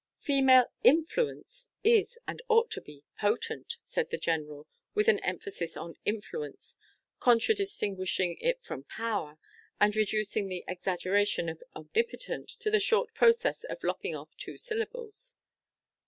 "Female influence is and ought to be potent," said the general, with an emphasis on influence, contradistinguishing it from power, and reducing the exaggeration of omnipotent by the short process of lopping off two syllables.